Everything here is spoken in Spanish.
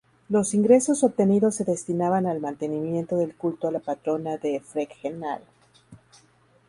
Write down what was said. Los ingresos obtenidos se destinaban al mantenimiento del culto a la Patrona de Fregenal.